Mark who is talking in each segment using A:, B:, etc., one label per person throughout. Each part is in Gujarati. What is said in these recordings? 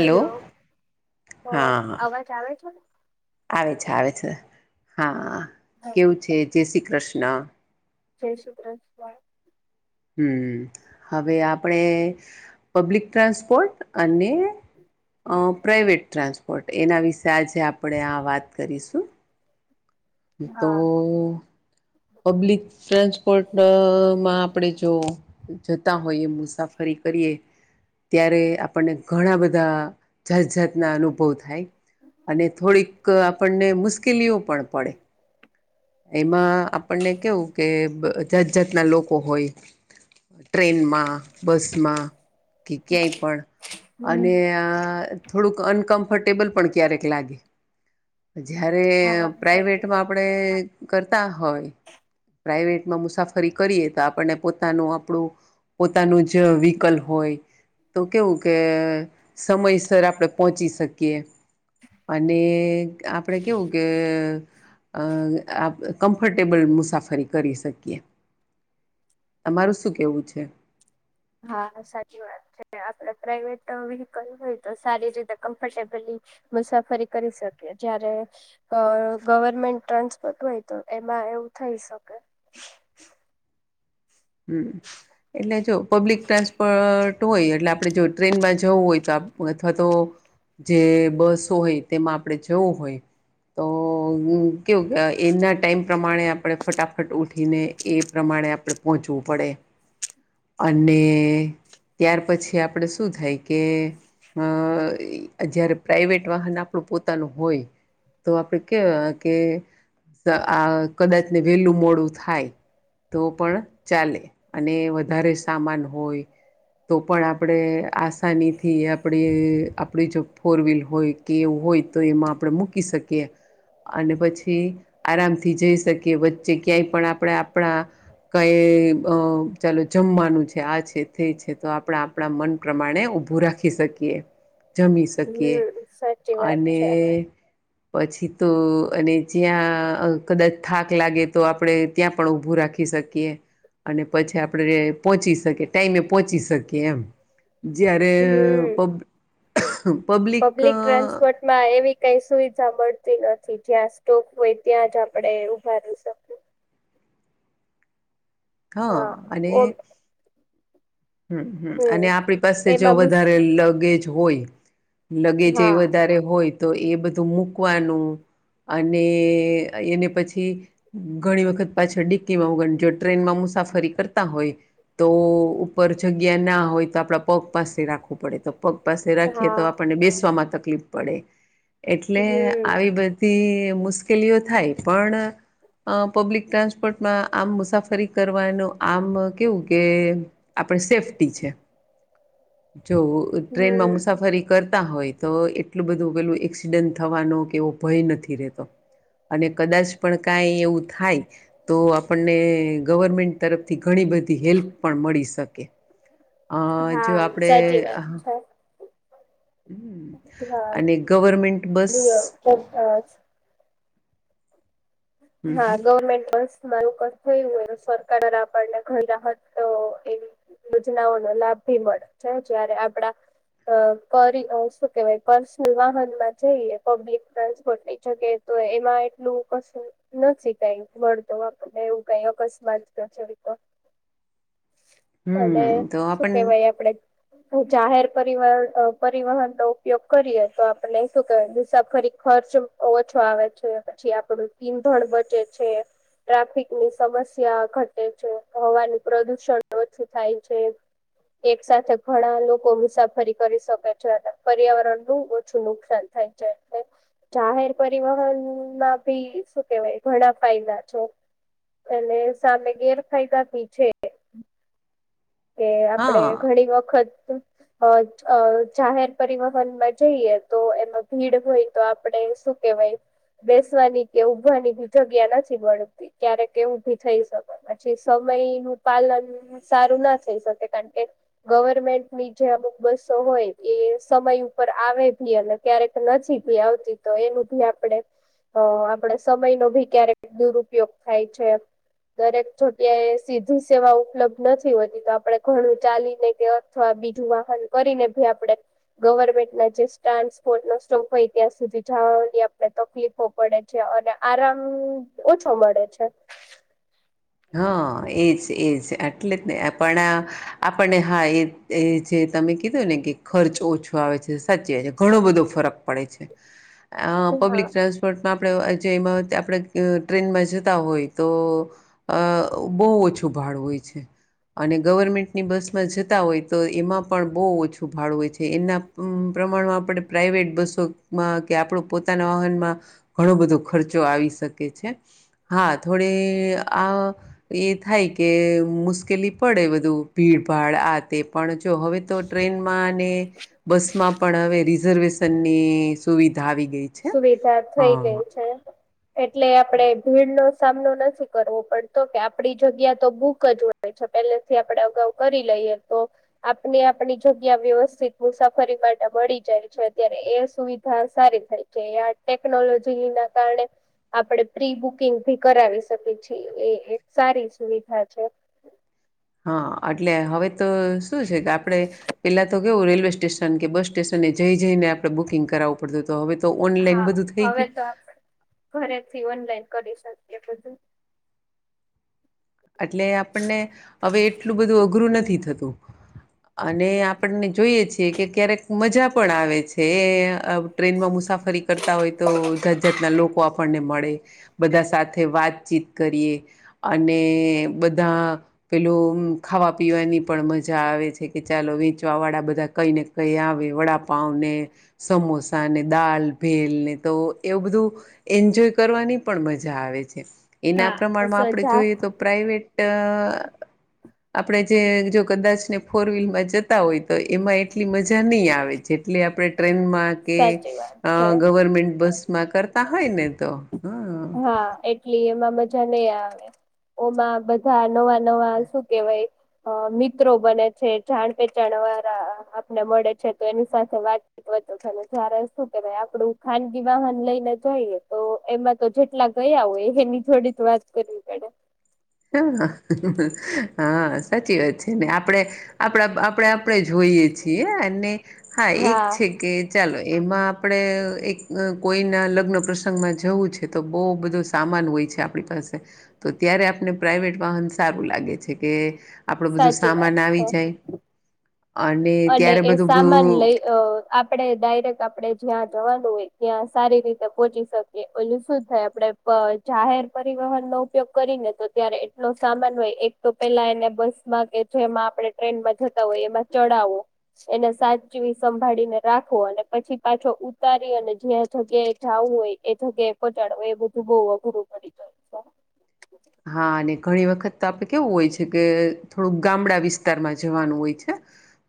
A: હલો તો
B: હા
A: અવાજ આવે છે, ને
B: આવે છે, આવે છે, હા
A: હા,
B: કેવું છે, જય શ્રી કૃષ્ણ.
A: [inaudible]
B: હમ હવે આપણે પબ્લિક ટ્રાન્સપોર્ટ અને. [unintelligible] પ્રાઈવેટ [unintelligible] [unintelligible] એના.
A: હા
B: તો [unintelligible] માં આપણે જોવ જતા હોઈ એ મુસાફરી કરીએ ત્યારે આપણને ઘણા બધા. જાતજાતના અનુભવ થાય અને થોડીક આપણને મુશ્કેલીઓ. પણ પડે એમાં. આપને કેવું કે [unintelligible] જાત જાતના લોકો હોય. ટ્રેનમાં બસમાં કે ક્યાંય પણ.
A: હમ
B: અને થોડુંક અનકમ્ફર્ટેબલ પણ ક્યારેક લાગે. જયારે
A: હા સાચી
B: પ્રાઈવેટમાં
A: વાત
B: આપણે
A: છે
B: કરતા હોય. પ્રાઈવેટમાં મુસાફરી કરીએ તો આપણને પોતાનું આપણું પોતાનું જ વ્હીકલ હોય. તો કેવું કે સમયસર આપણે પહોંચી શકીએ. અને. આપડે કેવું કે અ કમ્ફર્ટેબલ મુસાફરી કરી શકીએ તમારું શું કેવું છે.
A: હા સાચી વાત છે, આપડે પ્રાાઈવેટ વ્હકલ હોય તો સારી રીતે કમ્ફર્ટેબલી. મુસાફરી કરી શકી જય્યારે ગવર્મેન્ટ ટ્રાન્સપોર્ટ હોય તો એમાં. હા એવું થઈ શકે.
B: હમ એટલે જો પબ્લિક ટ્રાન્સપોર્ટ. હોય એટલે આપણે જો ટ્રેનમાં જવું હોય તો અથવા તો. જે બસો હોય તેમાં આપણેે જવું હોય. તો કેવું એના ટાઈમ પ્રમાણે આપણે ફટાફટ ઉઠીને એ પ્રમાણે આપણે. પહોંચવું પડે. ત્યાર પછી આપડે શું થાય કે [unintelligible] જયારે પ્રાઈવેટ વાહન આપણું પોતાનું હોય. તો આપડે [unintelligible] કે આ કદાચ વેલું મોડું થાય. તો પણ ચાલે અને વધારે સામાન હોય. તો પણ આપણે આસાનીથી આપણે આપણી જો ફોર [unintelligible] હોય તો એમાં આપણે મૂકી શકીએ. અને પછી આરામથી જઈ શકીએ વચ્ચે ક્યાંય પણ આપણે આપણા [unintelligible] ચાલો જમવાનું છે, આ છે, તે છે, તો આપણા આપણા મન પ્રમાણે ઉભું. રાખી શકીએ જમી શકીએ
A: હમ સાચી વાત
B: અને.
A: છે
B: પછી તો અને જ્યાં કદાચ થાક લાગે તો આપડે ત્યાં પણ ઉભું રાખી શકીએ અને પછી આપણેે પહચી શકીએ ટાઈમે પોહોંચી શકીએ એમ. જ્યારે
A: હમ
B: [inaudible]
A: પબ્લિક ટ્રાન્સપોર્ટમાં એવી કઈ સુવિધા મળતી. નથી જ્યાં સ્ટોક હોય ત્યાં જ આપણેે ઉભારી શકી.
B: હા અને.
A: ઓ
B: હમ હમ અને આપણી પાસે જો
A: એમાં મુશ
B: વધારે લગેજ હોય. લગે જે એ
A: હા
B: વધારે હોય તો એ બધું મૂકવાનું. અને એને પછી ઘણી વખત પાછળ ડિક્કીમાં ઉગ જો ટ્રેન માં મુ. મુસાફરી કરતા હોય તો. પર જગ્યા ના હોય તો આપણા પગ પાસે રાખવું પડે તો પગ પાસે
A: હા
B: રાખીએ તો આપણને બેસવામાં ત. તકલીફ પડે એટલે
A: હમ
B: આવી બધી. મુશ્કેલીઓ થાય પણ. અ પબ્લિક ટ્રાન્સપોર્ટમાં આમ મુસાફરી કરવાનું આમ કેવું કે. આપણે સેફ્ટી છે. જો ટ્રેનમાં
A: હમ
B: મુસાફરી કરતા હોય તો એટલું બધું. પેલું એક્સિડન્ટ થવાનો કેવો ભય નથી રહેતો. અને કદાચ પણ કાઈ એવું થાય. તો આપણને ગવર્મેન્ટ તરફથી ઘણી બધી હેલ્પ પણ મળી શકે. અ જો
A: હા
B: આપણેે.
A: સાચી વાત છે
B: હ
A: હા હા
B: અને ગવર્મેન્ટ બસ.
A: ગવર્મેન્ટ હા
B: હમ
A: ગવર્મેન્ટ પણ. મારું થયુંય સરકાર આપણને ઘર રાહત એવી. યોજનાઓ નો લાભ ભી મળે છે જ્યારે આપડા. અ શું કેવાય પર્સનલ વાહન માં જઈએ પબ્લિક ટ્રાન્સપોર્ટની જગ્યાએ. તો એમાં એટલું ક. નથી કઈ મળતું આપણને એવું કઈ અકસ્માત તો છે તો. અને
B: હમ તો
A: શું
B: આપણ
A: કેવાય આપડે. જાહેર પર પરિવહન નો ઉપયોગ કરીએ તો આપડે શું કે મુસાફરી. ખર્ચ ઓછો આવે છે પછી આપડું ઈંધણ બચે છે. ટ્રાફિકની સમસ્યા ઘટે છે હવાનું પ્રદુષણ ઓછું થાય છે. એક સાથે ઘણા લોકો મુસાફરી કરી શકે છે પર્યાવરણ નું ઓછું નુકસાન થાય. થ જાય જાહેર પરિવહનમાં ભી. શું કેવાય ઘણા ફાયદા છો અને સામે ગેરફાયદા ભી છે. કે આપડે
B: હા
A: ઘણી વખત. અ જાહેર પરિવહનમાં જઈએ તો એમાં ભીડ હોય તો આપણેે શું કેવાય. બેસવાની કે ઉભવાની બી જગ્યા નથી મળતી ક્યારેકે એવુંભી થઈ શક પછી. ય નું પાલન સારું ના. કારણ કે ગવર્મેન્ટની જે અમુક બસો હોય એ સમય ઉપર આવે ભી. અને ક્યારેક નથી ભી આવતી તો એનું ભી આપડે. હ આપડે સમય નો ભી ક્યારેક દુરુપયોગ થાય છે. દરેક જગ્યાએ સીધી સેવા ઉપલબ્ધ નથી હોતી તો. આપડણે ઘણું ચાલીને કે અથવા બીજું વાહન કરીને ભી આપડે. ગવર્મેન્ટના જે સ્ટાન્સપોર્ટ ન સ્ટોપ હોય ત્યાં સુધી જવાની આપણે તકલીફો પડે છે. અને આરામ ઓછો મળે છે.
B: હા એજ. એ એટલે જ ને પણ આ આપણને હા એ જે તમે કીધું ને કે ખર્ચ ઓછું આવે છે સાચે ઘણો બધો ફરક પડે છે
A: હા
B: પબ્લિક ટ્રાન્સપોર્ટમાં. આપ જે એમાં આપણે ટ્રેનમાં જતા હોય તો. અ બહુ ઓછું ભાડુ હોય છે. અને ગવર્મેન્ટની બસમાં જતા હોય તો એમાં પણ બહુ ઓછું ભાડુ હોય છે એના. પ્રમાણમાં આપણે પ્રાઇવેટ બસોમાં કે આપણો પોતાના વાહનમાં ઘણો બધો ખર્ચો આવી. શકે છે, હા થોડી. આ એ થાય કે મુશ્કેલી પડે બધું ભીડ ભાડ આ તે પણ. જો હવે તો ટ્રેનમાં અને બસમાં પણ હવે રિઝર્વેશ. ની સુવિધા આવી ગઈ છે
A: સુવિધા
B: હ.
A: થઈ ગઈ છે. એટલે આપડે ભીડ નો. સામનો નથી કરવો પડતો કે આપડી જગ્યા તો બુક જ હોય છે પેલે થી આપડે અગાઉ કરી લઈ. તો આપને આપણી જગ્યા વ્યવસ્થિત મુસાફરી માટે મળી જાય છે અત્યારે એ સુવિધા સારી થાય છે ટેકનોલોજી ના કારણે આપણે પ્રી બુકિંગ ભી કરાવી શકીએ છીએ એ એક સારી સુવિધા છે
B: હા એટલે હવે તો શું છે કે આપણે પેલા તો કેવું રેલવે સ્ટેશન કે બસ સ્ટેશન એ જઈ જઈને આપડણે બુકિંગ કરાવું પડતું હતું
A: હા હવે તો આપ ઘરેથી ઓનલાઈન કરી શકીએ બધું
B: એટલે આપણને હવે એટલું બધું અઘરું નથી થતું અને આપણને જોઈએ છીએ કે ક્યારેક મજા પણ આવે છે ટ્રેનમાં મુસાફરી કરતા હોય તો જાત જાતના લોકો આપણને મળે બધા સાથે વાતચીત કરીએ અને બધા પેલું ખાવા પીવાની પણ મજા આવે છે કે ચાલો વેચવા વાળા બધા કઈ ને કઈ આવે વડાપાવ ને સમોસા ને દાલ ભેલ તો એવું બધું એન્જોય કરવાની પણ મજા આવે છે એના
A: હા
B: પ્રમાણમાં આપણે
A: સજા
B: જોઈએ તો [unintelligible] આપડણે જે જો કદાચ ને ફોર વ્હીલમાં જતા હોય તો એમાં એટલી મજા નહી આવે એટલે આપણે ટ્રેનમાં કે
A: સાચી વાત છે.
B: ગવર્મેન્ટ બસમાં કરતા હોય ને તો હા
A: હા એટલી એમાં મજા નઈ આવે ઓમાં બધા નવા નવા શું કેવાય અ મિત્રો બને છે જાણ પેચાણ વાળા આપને મળે છે તો એની સાથે વાતચીત જયારે શું કેવાય આપડું ખાનગી વાહન લઈને જોઈએ તો એમાં તો જેટલા ગયા હોય એની જોડે જ વાત કરવી પડે
B: હ હા સાચી વાત છે ને આપણેે આપણા આપણે આપણે જોઈએ છીએ અને હા એક છે કે ચાલો એમાં આપણે એક કોઈના લગ્ન પ્રસંગમાં જવું છે તો બહું બધું સામાન હોય છે આપણી પાસે તો ત્યારે આપને પ્રાઇવેટ વાહન સારું લાગે છે કે આપડું બધું
A: સાચી વાત
B: સામાન
A: છે.
B: આવી જાય
A: અને
B: ત્યારે
A: એ
B: બધું બ
A: સામાન લઈ આપડે ડાયરેક્ટ આપડે જ્યાં જવાનું ત્યાં સારી રીતે પહોંચી શકીએ ઓલું શું થાય આપડે જાહેર પરિવહન નો ઉપયોગ કરીને તો ત્યારે એટલો સામાન હોય એક તો પેલા એને બસમાં કે જેમાં આપણે ટ્રેનમાં જતા હોય એમાં ચડાવો એને સાચવી સંભાળીને રાખો અને પછી પાછો ઉતારી અને જ્યાં જગ્યાએ જાવું હોય એ જગ્યાએ એ પોચાડો હોય એ બધું બહુ અઘરું પડી જય છે
B: હા અને ઘણી વખત તો આપડે કેવું હોય છે કે થોડુંક ગામડા વિસ્તારમાં જવાનું હોય છે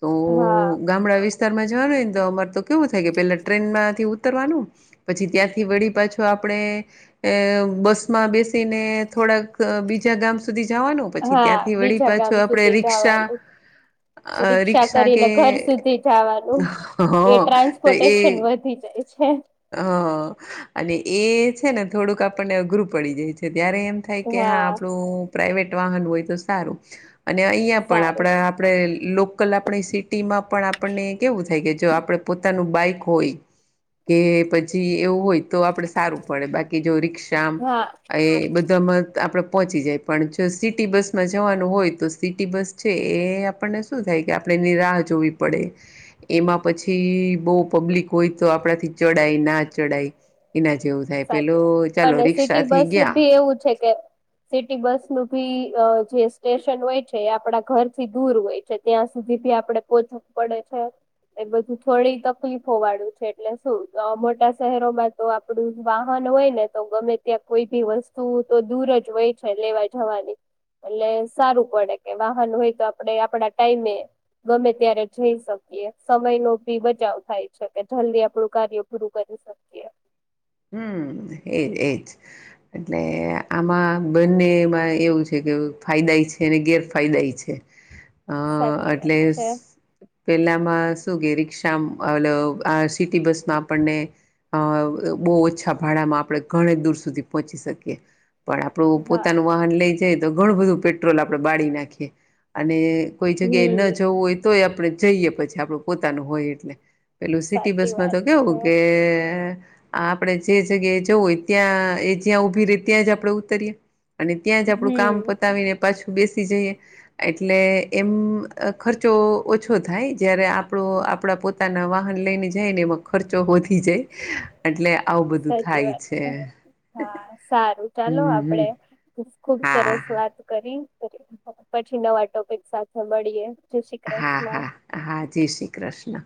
B: તો
A: હા
B: ગામડા વિસ્તારમાં જવાનુંને તો અમાર તો કેવું થાય કે પેલા ટ્રેનમાંથી ઉતરવાનું પછી ત્યાંથી વળી પાછો આપણે બસમાં બેસીને થોડાક બીજા ગામ સુધી જવાનું પછી
A: હા
B: ત્યાંથી વળી
A: બીજા
B: પાછો
A: ગામ
B: આપણેે
A: સુધી
B: રિક્ષા
A: જવાનું
B: અ રિક્ષા કે
A: કરીને ઘર સુધી જવાનું
B: હ
A: એ
B: તો એ
A: ટ્રાન્સપોર્ટેશન વધી જાય છે
B: હ અને એ છે ને થોડુંક આપણને અઘરું પડી જાય છે ત્યારે એમ થાય કે હા આપડું પ્રાઈવેટ વાહન હોય તો સારું અને અહીયાં પણ
A: સારું
B: આપણા આપણે લોકલ આપણી સિટીમાં પણ આપણને કેવું થાય કે જો આપણે પોતાનું બાઈક હોય કે પછી એવું હોય તો આપડે સારું પડે બાકી જો રીક્ષા
A: હા
B: એ બધામાં આપણેે પહોંચી જાય પણ જો સિટી બસમાં જવાનું હોય તો સિટી બસ છે એ આપણને શું થાય આપણે એની રાહ જોવી પડે એમાં પછી બહું પબ્લિક હોય તો આપડાથી ચડાય ના ચડાય એના જેવું થાય પેલો
A: સાચું
B: ચાલો
A: અને સિટી
B: રિક્ષાથી
A: બસ
B: ગયા
A: ભી એવું છે કે સિટી બસ નું ભી અ જે સ્ટેશન હોય છે, એ આપડા ઘરથી દૂર હોય છે. ત્યાં સુધી ભી આપડે પોહચવું પડે છે.
B: હમ
A: એ બધું થોડી તકલીફો વાળું છે, એટલે શું મોટા શહેરોમાં તો આપડું વાહન હોય ને તો ગમે ત્યાં કોઈ બી વસ્તુ તો દૂર જ હોય છે. લેવા જવાની એટલે સારું પડે કે વાહન હોય તો આપણે આપડા ટાઈમે ગમે ત્યારે જઈ શકીએ સમય નો ભી બચાવ થાય છે, કે જલ્દી આપડું કાર્ય પૂરું કરી શકીએ.
B: હમ હમ, એજ એજ એટલે આમાં બંનેમાં એવું છે. ફાયદાાય છે અને ગેરફાયદાાય છે. અ
A: સાચી વાત
B: એટલે
A: છે.
B: પેલામાં શું કે રિક્ષા, સિટી બસમાં આપણને બહુ ઓછા ભાડામાં આપડણે ઘણી દૂર સુધી પહોંચી શકીએ પણ આપડું
A: હા
B: પોતાનું વાહન લઈ જ તો ઘણું બધું પેટ્રોલ આપડે બાળી નાખીએ અને કોઈ જગ્યાએ ન
A: હમ
B: જવું હોય તો આપણે જઈએ પછી. આપડું પોતાનું હોય એટલે પેલું સિટી
A: સાચી
B: બસમાં
A: વાત
B: તો
A: છે
B: કેવું કે આ આપડણે જે જગ્યાએ જવું હોય ત્યાં એ જ્યાં ઉઊભી રહી ત્યાં જ આપણે ઉતરીએ અને ત્યાં જ આપડું કામ
A: હમ
B: પતાવીને પાછું બેસી જઈએ એટલે એમ ખર્ચો ઓછો થાય જય્યારે આપણ આપણા પોતાના વાહન લઈને જાય ને એમાં ખર્ચો વધી જાય એટલે આવું બધું
A: સાચી
B: થાય
A: વાત છે. હા સારું ચાલો
B: હમ હમ
A: આપડે ખુબ
B: હા
A: સરસ વાત કરી. પછી નવા ટોપિક સાથે મળીએ. જય શ્રી
B: હા
A: કૃષ્ણ
B: હા હા, જય શ્રી કૃષ્ણ.